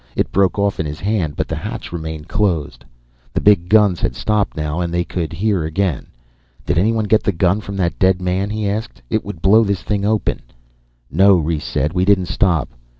It broke off in his hand but the hatch remained closed. The big guns had stopped now and they could hear again. "Did anyone get the gun from that dead man?" he asked. "It would blow this thing open." "No," Rhes said, "we didn't stop."